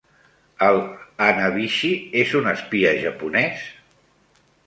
El Hanabishi és un espia japonès?